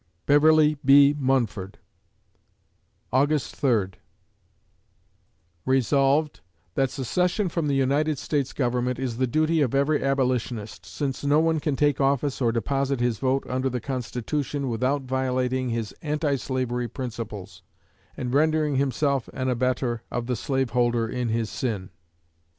BEVERLY B. MUNFORD August Third Resolved, "That secession from the United States Government is the duty of every Abolitionist, since no one can take office or deposit his vote under the Constitution without violating his anti slavery principles, and rendering himself an abettor of the slave holder in his sin."